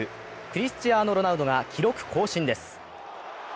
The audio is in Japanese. クリスチアーノ・ロナウドが記録更新です。